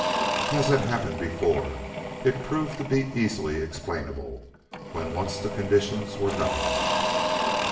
As has happened before, it proved to be easily explainable when once the conditions were known.